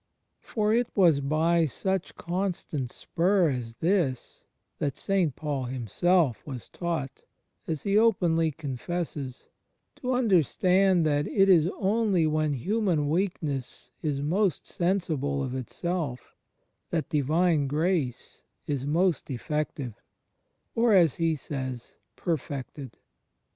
For it was by some such constant spur as this that St. Paul himself was taught,^ as he openly confesses, to understand that it is only when human weakness is most sensible of itself that Divine Grace is most effective, or, as he says, "perfected."